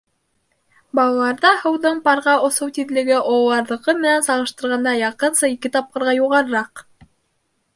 Балаларҙа һыуҙың парға осоу тиҙлеге ололарҙыҡы менән сағыштырғанда яҡынса ике тапҡырға юғарыраҡ.